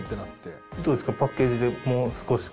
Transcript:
どうですか、パッケージでもない！